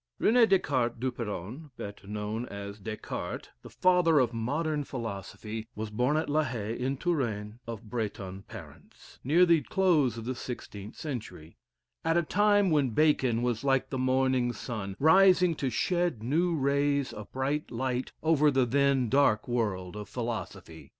Rene des Cartes Duperron, better known as Des Cartes, the father of modern philosophy, was born at La Haye, in Touraine, of Breton parents, near the close of the sixteenth century, at a time when Bacon was like the morning sun, rising to shed new rays of bright light over the then dark world of philosophy.